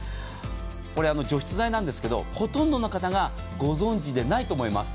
除湿剤なんですがほとんどの方がご存じでないと思います。